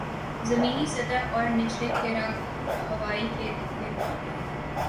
زمینی سطح اور نچلے کرۂ ہوائی کے گرمانے